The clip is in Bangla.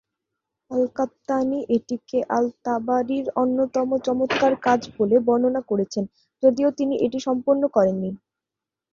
আল-কাত্তানী এটিকে আল-তাবারির অন্যতম চমৎকার কাজ বলে বর্ণনা করেছেন, যদিও তিনি এটি সম্পন্ন করেননি।